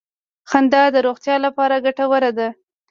• خندا د روغتیا لپاره ګټوره ده.